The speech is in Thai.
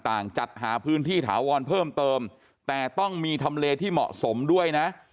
จัดหาพื้นที่ถาวรเพิ่มเติมแต่ต้องมีทำเลที่เหมาะสมด้วยนะ